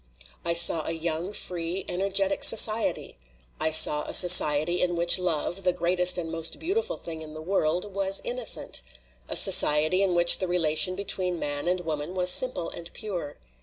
''I saw a young, free, energetic society. I saw a society in which love the greatest and most beautiful thing in the world was innocent; a so ciety in which the relation between man and wom an was simple and pure.